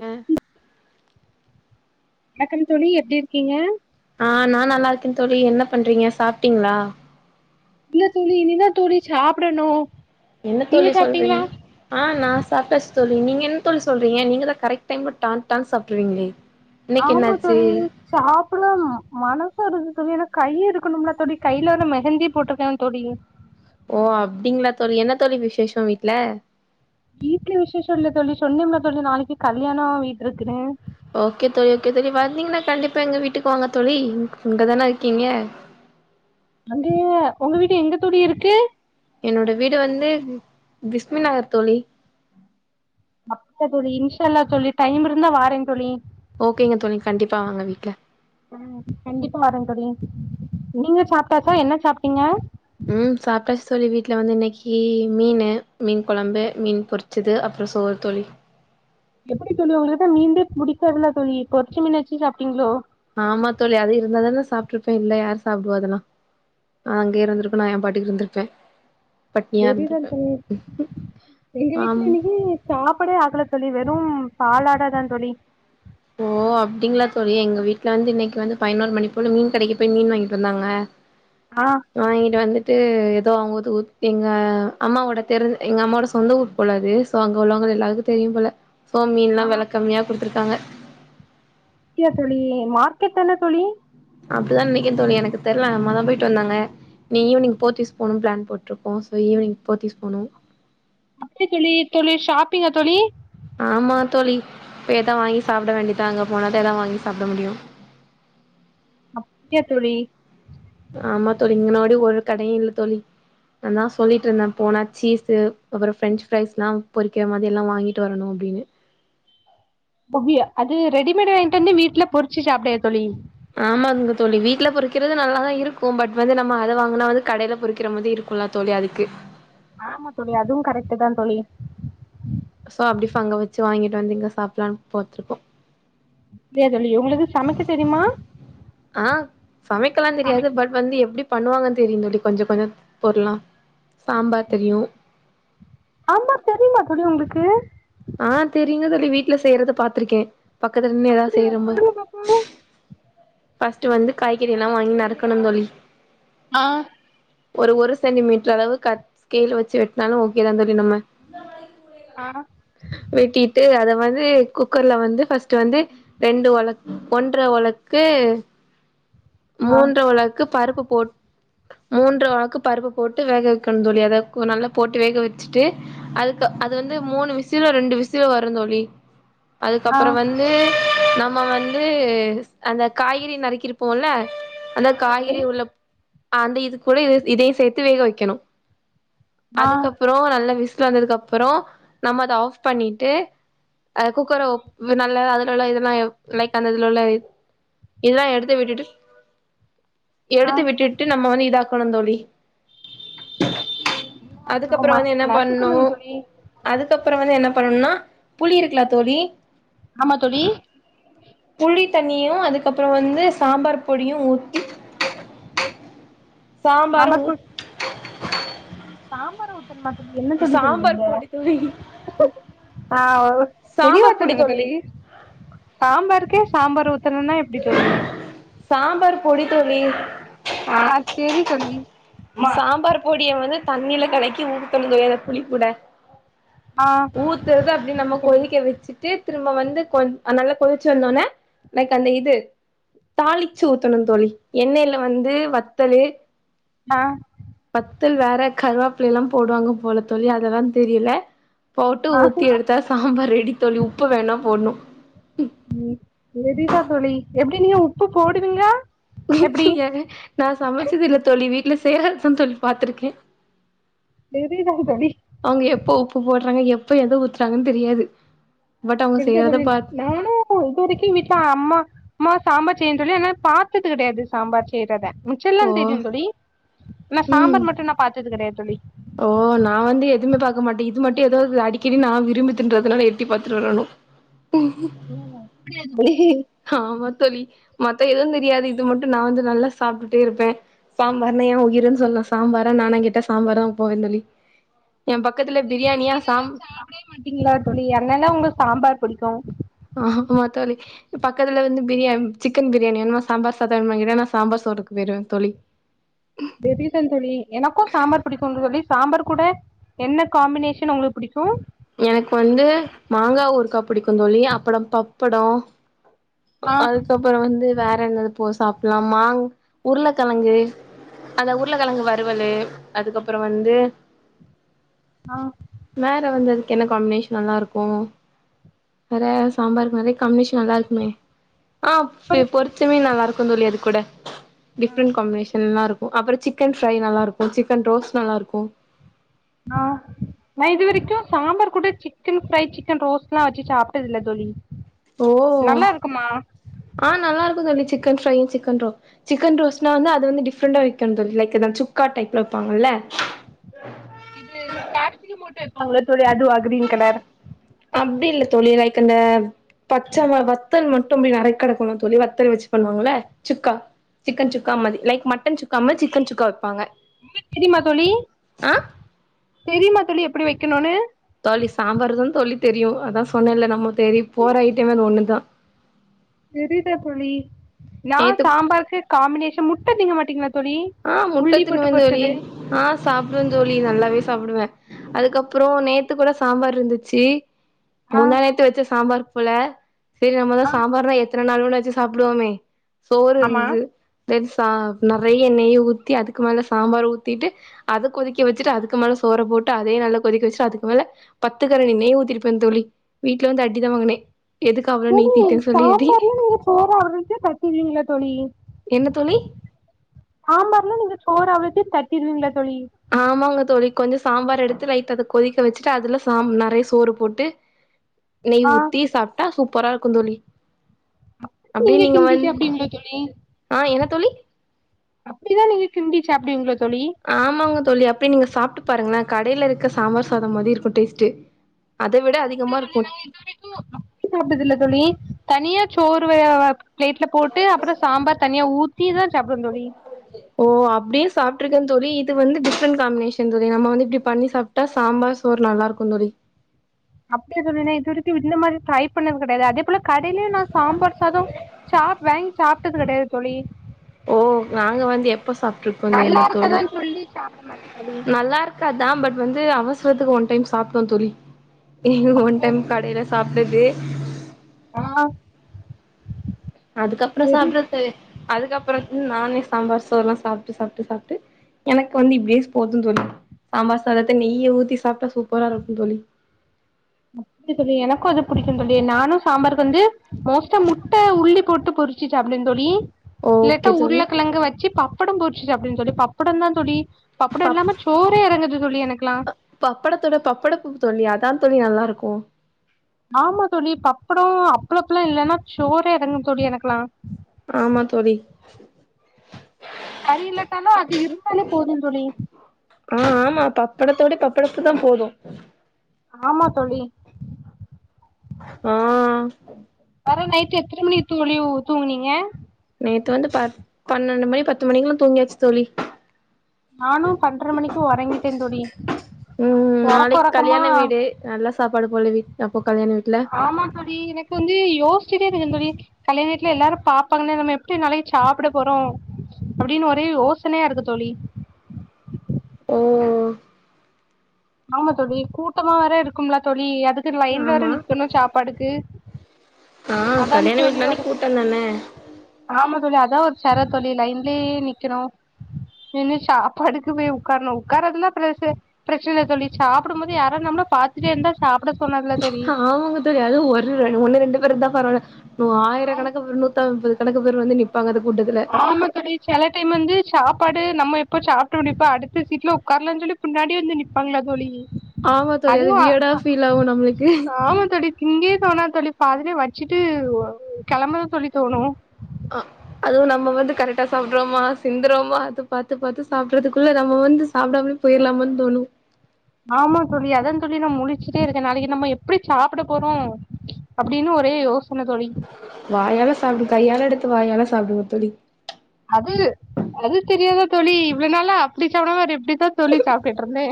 ஏ வணக்கம் தோழி எப்டி இருக்கீங்க ஆ நா நல்லா இருக்கே தோழி என்ன பண்றீங்க சாப்ட்டீங்களா இல்ல தோழி இனிதா தோழி சாப்படணு என்ன தோழி சொல்றீங்க ஆ நா சாப்ட்டாச்சு தோழி நீங்க என்ன தோழி சொல்றீங்க நீங்கதா கரெக்ட் டைம்க்கு டான் டான் சாப்டுருவீங்களே இன்னைக்கு என்னாச்சு சாப்பட்லாம் மனசு வருது ஏன்னா கை இருக்கணும்ல தோழி கையில அந்த மெஹந்தி போட்டிருக்கே தோழி ஓ அப்டிங்களா தோழி என்ன தோழி விஷேஷோ வீட்ல வீட்ல விஷேஷோ இல்ல தோழி சொன்னேம்ல தோழி நாளைக்கு கல்யாணோ வீட்ருக்குனு ஓகே தோழி ஓகே தோழி வந்தீங்கன்னா கண்டிப்பா எங்க வீட்டுக்கு வாங்க தோழி இங்கதான இருக்கீங்க அங்க உங்க வீடு எங்க தோழி இருக்கு என்னோட வீடு வந்து பிஸ்மி நகர் தோழி அப்ப புரி இன்ஷா அல்லா தோழி டைம் இருந்தா வாரே தோழி ஓகேங்க தோழி கண்டிப்பா வாங்க வீட்ல ஆ கண்டிப்பா வர தோழி நீங்க சாப்ட்டாச்சா என்ன சாப்ட்டீங்க ம் சாப்ட்டாச்சு தோழி வீட்ல வந்து இன்னைக்கு மீனு மீன் கொழம்பு மீன் பொருச் ச்சது அப்புறோ சோறு தோழி எப்டி தோழி உங்களுக்குதா மீன்தே புடிக்காதுல்ல தோழி பொறிச்ச மீன் வச்சு சாப்டீங்களோ ஆமா தோழி அது இருந்தா தான சாப்ட்டுருப்ப இல்ல யாரு சாப்டுவா அதெல்லா நா அங்கேயே இருந்திருக்கனு என் பாட்டுக்கு இருந்திருப்ப [unintelligible] எங்க வீட்ல ஆம் இன்னைக்கு சாப்படே ஆக்கல தோழி வெறும் பாலாடதா தோழி ஓ அப்டிங்களா தோழி எங்க வீட்ல வந்து இன்னைக்கு வந்து பதினோரு மணி போல மீன் கடைக்கு போய் மீன் வாங்கிட்டு வந்தாங்க ஆ வாங்கிட்டு வந்துட்டு எதோ அவுங்கதுஊது எங்க அம்மாவோட தெரி எங்க அம்மாவோட சொந்த ஊர் போல அது சோ அங்க உள்ளவங்க எல்லாருக்கு தெரியு போல சோ மீன்ல்லா வெல கம்மியா குடுத்துருக்காங்க அப்டியா தோழி மார்க்கெத்தன தோழி அப்டிதா நெனைக்குறே தோழி எனக்கு தெர்ல அம்மாதா போய்ட்டு வந்தாங்க இனி ஈவ்னிங் போத்தீஸ் போணோன் ப்ளான் போட்ருக்கோ சோ ஈவ்னிங் போத்தீஸ் போணோ அப்டியா தோழி தோழி ஷாப்பிங்கா தோழி ஆமா தோழி போய் எதா வாங்கி சாப்பிட வேண்டிதுதா அங்க போனாதா எதா வாங்கி சாப்ட முடியு அப்டியா தோழி ஆமா தோழி இங்கனொடியு ஒரு கடையு இல்ல தோழி அதா சொல்லிட்ருந்தே போனா சீஸு அப்புறோ ஃப்ரெஞ்சு ஃப்ரைஸ்லா பொறிக்கிற மாதில்லா வாங்கிட்டு வரணோ அப்டினு இப்ப வீ அது ரெடிமேடு வாய்ன்டு வந்து வீட்ல பொறிச்சு சாப்டுய தோழி ஆமாங்க தோழி வீட்ல பொறிக்கிறது நல்லாதா இருக்கோ பட் வந்து நம்ம அத வாங்குனா வந்து கடையில பொறிக்கிற மாதி இருக் ப்புல்லா தோழி அதுக்கு ஆமா தோழி அதுவு கரெக்ட்டுதா தோழி சோ அப்டி ஃபங்க வெச்சு வாங்கிட்டு வந்து இங்க சாப்பிலானு பாத்துருக்கோ இல்லயா தோழி உங்களுக்கு சமைக்க தெரியுமா ஆ சமைக்கலா தெரியாது சமைக் பட் வந்து எப்டி பண்ணுவாங்கன் தெரியுந்தோழி கொஞ்சோ கொஞ்சோ பொர்ளா சாம்பார் தெரியு சாம்பார் தெரியுமா தோழி உங்ளுக்கு ஆ தெரியுங்க தோழி வீட்ல செய்யறத பாத்துருக்கே பக்கத்துல நின்னு எதா அப்டியா செய்யறம்போ [unintelligible] ஃபஸ்ட்டு வந்து காய்கறி எல்லா வாங்கி நறுக்கணுந்தோழி ஆ ஒரு ஒரு சென்டிமீட்ரு அளவு கட் ஸ்கேலு வெச்சு வெட்னாலு ஓகேதா தோழி நம்ம அ வெட்டிட்டு அத வந்து குக்கர்ல வந்து ஃபஸ்ட்டுவந்து ரெண்டு ஒலக் ஒன்ற ஒலக் கு ஆ மூன்ற உலக்கு பருப்பு போட் மூன்ற ஒலக்கு பருப்பு போட்டு வேக வெக்கணுந்தோழி அத நல்லா போட்டு வேக வெச்சுட்டு அதுக்கு அது வந்து மூணு விசிலோ ரெண்டு விசிலோ வருந் தோழி ஆ அதுக்கப்புற வந்து நம்ம வந்து அந்த காய்கறி நறுக்கிருப்போல அந்த ஆமா தோழி காய்கறி உள்ள அந்த இது கூட இது இதையு சேர்த்து வேக வெய்க்கணு ஆ அதுக்கப் பறோ நல்லா விசல் வந்ததுக்கு அப்புறோ நம்ம அத ஆஃப் பண்ணிட்டு அ குக்கரு நல்ல அதுலுள்ள இதெல்லா லைட் அந்த இதுல உள்ள இதெல்லா எடுத்து விட்டுட்டு ஆ எடுத்து விட்டுட் டு நம்ம வந்து இதாக்கணுந் தோழி என்ன ஆக்கணு அதுக்கப்புறோ மச வந்து என்ன பண்ணு நசுக்கணுங்க தோழி அதுக்கப்புற வந்து என்ன பண்ணுனா புளி இருக்லா தோழி ஆமா தோழி புளி தண்ணியு அதுக்கப்புற வந்து சாம்பார் பொடியு ஊத்தி சாம்பார ஊத் சாம்பார ஊத்தனுமா தோழி என்ன தோழி சொல்றீங்க சாம்பார் பொடி தோழி ஆ ஓ தெளிவா சாம்பார் பொடி சொல்லுங்க தோழி சாம்பாருக்கே சாம்பார் ஊத்தணுன்னா எப்டி தோழி சாம்பார் பொடி தோழி ஆ செரி தோழி சாம்பார் பொடிய வந்து தண்ணில கலக்கி ஊத்துணுங் தோழி அந்த புளி கூட ஆ ஊத்துறது அப்டி நம்ம ஓகே தோழி கொதிக்க வெச்சு தீர் திரும்ப வந்து கொ நல்லா கொதிச்சு வந்தோனே லைக் அந்த இது தாளிச்சு ஊத்தணு தோழி எண்ணெய்ல வந்து வத்தலு ஆ வத்தல் வேற கருவாப்பள்ளைலா போடுவாங்க போல தோழி அதெல்லா தெரில போட்டு ஆ ஊத்தி எடுத்தா சாம்பார் ரெடி தோழி உப்பு வேணா போடுணு ம் எததா தோழி எப்டி நீங்க உப்பு போடுவீங்களா எப்டி யாரு நா சமைச்சது இல்ல தோழி வீட்டுல செய்றதா தோழி பா்த்திருக்கே சரிதா தோழி அவங்க எப்ப உப்பு போடுறாங்க எப்ப எதோ ஊத்துறாங்கனு தெரியாது பட் அவங்க தெரிதா செய்றத தோழி பாத் நானு இது வரைக்கு வீட்ல அம்மா அம்மா சாம்பார் செய்ய சொல்லி ஆனா பார்த்தது கெடையாது சாம்பார் செய்றத மிச்செல்லா ஓ தெரியு தோழி ஆனா ம் சாம்பார் மட்டு நா பா்த்தது கெடையாது தோழி ஓ நா வந்து எதுவுமே பாக்க மாட்டே இது மட்டு ஏதாவ்து அடிக்கடி நா விரும்பி தின்றதுனால எட்டி பாத்துட்டு வரணு அப்டியா தோழி ஆமாத் தோழி மத்த எதுவு தெரியாது இது மட்டு நா வந்து நல்லா சாப்ட்டே இருப்பே சாம்பார்னே ஏ உயிருன்னு சொல்லா சாம்பாரா நானா கிட்ட சாம்பார் தா போவேன் தோழி ஏ பக்கத்துல நீங்க பிரியாணியா மீனெல்லா சாம் [unintelligible] மாட்டீங்களா தோழி என்னல்லா உங்க சாம்பார் புடிக்கு ஆமா தோழி பக்கத்துல வந்து பிரியா சிக்கன் பிரியாணி வேணுமா சாம்பார் சாத வேணுமா கேட்டா நா சாம்பார் சோறுக்கு போயிருவே தோழி [unintelligible] தோழி எனக்கு சாம்பார் புடிக்கு தோழி சாம்பார் கூட என்ன காம்பினேஷன் உங்ளுக்கு புடிக்கு எனக் வந்து மாங்காய் ஊருகா புடிக்கு தோழி அப்றோ பப்படோ ஆ அதுக்கப்புற வந்து வேற என்னது போ சாப்பிலா மாங் உருளக்கிழங்கு அந்த உருளக்கெழங்கு வறுவலு அதுக்கப்புற வந்து ஆ வேற வந்து அதுக் என்ன காம்பினேஷன் நல்லா இருக்கு வேற சாம்பாருக்கு நெற காம்பினேஷன் நல்லா இருக்குமே ஆ ஒரு பொறிச்சமே நல்லா இருக்கு தோழி அது கூட டிஃப்ரெண்ட் காம்பினேஷன் நல்லாருக்கு அப்புற சிக்கன் ஃப்ரை நல்லாருக்கு சிக்கன் ரோஸ்ட் நல்லாருக்கு ஆ நா இது வரைக்கு சாம்பார் கூட சிக்கன் ஃப்ரை சிக்கன் ரோஸ்ட்ல்லா வெச்சு சாப்டதில்ல தோழி ஓஹோ நல்லா இருக்குமா ஆ நல்லா இருக்கு தோழி chicken fry chicken roast chicken ரோஸ்ட்னா வந்து அது வந்து டிஃப்ரண்டா வைக்கணு தோழி லைக் அது வந்து சுக்கா டைப்ல வைப்பாங்கல்ல இது [unintelligible] போட்டு வைப்பாங்கல்ல தோழி அதுவா கிரீன் கலர் அப்டி இல்ல தோழி லைக் அந்த பச்ச மிளகா வத்தல் மட்டு அப்டி நெறைகடக்கணு தோழி வத்தல் வச்சு பண்வாங்கல்ல சுக்கா சிக்கன் சுக்கா மாரி லைக் மட்டன் சுக்கா மார் சிக்கன் சுக்கா வைப்பாங்க உங்ளுக்கு தெரிமா தோழி ஆ தெரிமா தோழி எப்டி வைக்ணுனு தோழி சாம்பார் தா தோழி தெரியு அதா சொன்னேல்ல நம்ம தெரி போற ஐட்டமே அது ஒண்ணுதா செரி தா தோழி யார் நேத்து சாம்பாருக்கு காம்பினேஷன் முட்டதிங்க மாட்டீங்களா தோழி ஆ முட்ட உள்ளி போட்டு தின்னுவே தோழி பொறுச்சது ஆ சாப்புடுவே தோழி நல்லாவே சாப்புடுவே அதுக்கப்றோ நேத்து கூட சாம்பார் இருந்துச்சி ஆ முந்தா நேத்து வச்ச சாம்பார் போல செரி நம்மதா சாம்பார்னா எத்தன நாள் வேணா வெச்சு சாப்டுவோமே சோறு ஆமா இருந்தது நேத்து சாப் நெறைய நெய் ஊத்தி அதுக்கு மேல சாம்பார் ஊத்திட்டு அத கொதிக்க வெச்சுட்டு அதுக்கு மேல சோற போட்டு அதையு நல்ல கொதிக்க வெச்சுட்டு அதுக்கு மேல பத்து கரண்டி நெய் ஊத்திருப்பே தோழி வீட்ல வந்து அடி தா வாங்குனே எதுக்கு அவ்ளோ நெய் தோழி ஊத்திட்டேன்னு சொல்லி அடி சாம்பார்லே நீங்க சோற அவிச்சு தட்டிருவிங்களா தோழி என்ன தோழி சாம்பார்ல நீங்க சோற அவிச்சு தட்டிருவிங்களா தோழி ஆமாங்க தோழி கொஞ்ச சாம்பார் எடுத்து லைட்டா அத கொதிக்க வச்சிட்டு அதுல சா நெறைய சோறு போட்டு நெய் ஆ ஊத்தி சாப்டா சூப்பரா இருக்கு தோழி அப்டியே நீங்க கிண்டி வந் சாப்டுவீங்களா தோழி ஆ என்ன தோழி அப்படிதா நீங்க கிண்டி சாப்டுவிங்களோ தோழி ஆமாங்க தோழி அப்பயே நீங்க சாப்ட்டு பாருங்களே கடேல இருக்க சாம்பார் சாதோ மாதி இருக்கு டேஸ்ட்டு அத விட அதிகமா இருக்கு சோ அப்டி சாப்டதில்ல தோழி தனியா சோறு வேக வக் பிளேட்ல போட்டு அப்பற சாம்பார் தனியா ஊத்திதா சாப்டுவே தோழி ஓ அப்டியே சாப்டிருக்கே தோழி இது வந்து டிஃபரண்ட் காம்பினேஷன் தோழி நம்ம வந்து இப்டி பண்ணி சாப் டா சாம்பார் சோறு நல்லா இருக்கு தோழி அப்டியா தோழி நா இது வரைக்கு இந்த மாதிரி ட்ரை பண்ணது கெடையாது அதே போல கடைலயு நா சாம்பார் சாதோ சாப் வாங்கி சாப்ட்டது கெடையாது தோழி ஓ நாங்க வந்து எப்ப சாப்டிருக்கோ நல்லா தெரியுமா தோழி இருக்குதுன்னு சொல்லி சாப்ட மாட்டே நல்லா இரு க்காது தா பட் வந்து அவசரத்துக்கு ஒன் டைம் சாப்டோ தோழி ஒன் டைம் தோழி. கடேல சாப்டது ஆ அதுக்கப்பறோ வெறு சாப்டடுறது தோழி அதுக்கப்பறோ ம் நானே சாம்பார் சோறு ல்லா சாப்ட்டு சாப்ட்டு சாப்ட்டு எனக்கு வந்து இப்டியே ஸ் போது தோழி சாம்பார் சாதத்த நெய்ய ஊத்தி சாப்டா சூப்பரா இருக்கு தோழி அப்டி தோழி எனக்கு அது பிடிக்கு தோழி நானு சாம்பாருக்கு வந்து மோஸ்ட்டா முட்ட உள்ளி போட்டு பொறிச் சி சாப்டுவே தோழி இல்லட்டா ஓகே தோழி உருளைக்கெழங்க வச்சு பப்படோ பொறிச்சி சாப்டுவே தோழி பப்படோ தா தோழி பப்படோ பப் இல்லாம சோறே எறங்காது தோழி எனக்கெலா பப்படத்தோட பப்படப்பூ தோழி அதா தோழி நல்லா இருக்கு ஆமா தோழி பப்படோ அப்பளப்புல்லா இல்லன்னா சோறே எறங்காது தோழி எனக்கெலா ஆமா தோழி கறி இல்லட்டாலு அது இருந்தாலே போது தோழி ஆ ஆமா பப்படத்தோட பப்படப்பூ தா போது ஆமா தோழி ஆ பெற நைட்டு எத்தன மணிக்கு தோழி ஊ தூங்குனீங்க நேத்து வந்து ப பன்னெண்டு மணி பத்து மணிக்கெல்லா தூங்கியாச்சு தோழி நானு பன்ர மணிக்கு ஒரங்கிட்டே தோழி ம் ஒறக்க நாளைக் ஒறக்கமா கல்யாண வீடு நல்லா சாப்பாடு போல வீ அப்போ கல்யாண வீட்ல ஆமா தோழி எனக்கு வந்து யோசிச்சிட்டே இருந்தே தோழி கல்யாண வீட்ல எல்லாரு பாப்பாங்களே நம்ம எப்டி நாளைக்கி சாப்ட போறோ அப்டின்னு ஒரே ஓசனையா இருக்கு தோழி ஓ ஆமா தோழி கூட்டமா வேற இருக்கும்ல தோழி அதுக்கு லைன்ல வேற ஆமா நிக்கணு சாப்பாட்டுக்கு ஆ கல்யாண வீடுனாலே கூட்டோதான ஆமா தோழி, அதா ஒரு சர தோழி லைன்லயே நிக்கணு நின்னு சாப்பாட்டுக்கு போய் உக்காரனு உக்கார்றதுலா பிரச்ச சன இல்ல தோழி சாப்புடும்போது யாரா நம்மள பாத்துட்டே இருந்தா சாப்ட தோனாதுல்ல தோழி ஆமாங்க அது ஒரு ஒன்னு ரெண்டு பேரு இருந்தா பரவால்ல ஒ ஆயிரக்கணக்கு ஒரு நூத்தம்பது கணக்கு பேர் வந்து நிப்பாங்க அந்த கூட்டத்துல ஆமா தோழி சில டைம் வந்து சாப்பாடு நம்ம எப்போ சாப்ட்டு முடிப்போ அடுத்த சீட்ல உட்காரலானு சொல்லி முன்னாடி வந்து நிப்பாங்களா தோழி ஆமா தோழி அது அதுவு, ஆ வியர்டா ஃபீல் ஆகு நம்மளுக்கு ஆமா தோழி திங்கயே தோணாது தோழி பாதிலே வச்சிட்டு கெளம்பதா தோழி தோணு ஆ அதுவு நம்ம வந்து கரெக்டா சாப்புட்றோமா சிந்துரோமா அது பாத்து பாத்து சாப்பிட்றதுக்குள்ள நம்ம வந்து சாப்புடாமலே போயிர்லாமானு தோணு ஆமா தோழி அதா தோழி நா முழிச்சுட்டே இருக்க நாளைக்கு நம்ம எப்புடி சாப்டபோறோ அப்படின்னு ஒரே யோசன தோழி வாயால சாப்பிடு, கையால எடுத்து வாயால சாப்பிடுங்க தோழி அது அது தெரியாதா தோழி இவ்ளோ நாளா அப்டி சாப்டாமா வேற எப்டிதா தோழி சாப்ட்டுட்ருந்தே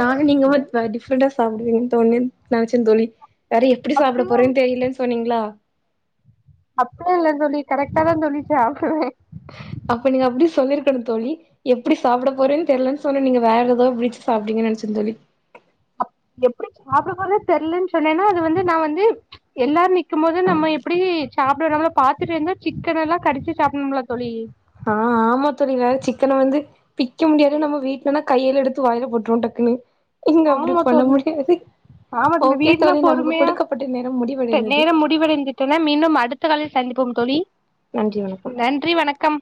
நானு நீங்க வ டிஃப்ரெண்ட்டா சாப்டுவீங்கனு தோழி நெனச்சே தோழி வேற எப்டி சாப்பிட அப்டிலா போறன்னு தெரியலனு சொன்னீங்ளா அப்டிலா இல்ல தோழி கரெக்டாதா தோழி சாப்டுவே அப்ப நீங்க அப்டி சொல்லிருக்கணு தோழி எப்டி சாப்ட போறேன்னு தெரியலன்னு சொன்னா நீங்க வேற ஏதோ பிரிச் சாப்டுவீங்கனு நெனைச்ச தோழி எப்டி சாப்பிட போறனு தெரியலன்னு சொன்னேன்னா அது வந்து நா வந்து எல்லாரு நிக்கும் போது நம்ம எப்டி சாப்பிட நம்மள பாத்துட்டு இருந்தா சிக்கனெல்லா கடிச்சி சாப்பிடணும்ல தோழி ஆ ஆமா தோழி வேற சிக்கன வந்து பிக்க முடியாது நம்ம வீட்லனா கையுல எடுத்து வாய்ல போட்டுருவோ டக்குன்னு இங்க அப்படி ஆமா பண்ண தோழி முடியாது, ஆமா ஓகே வீட்னா தோழி நமக்கு குடுக்கப்பட்ட நேரம் முடிவடைந்தது முடிவடைந்துவிட்டன மீண்டும் அடுத்த காலில் சந்திப்போம் தோழி, நன்றி வணக்கம் நன்றி வணக்கம்.